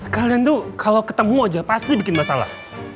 kalian tuh kalau ketemu aja pasti bikin masalah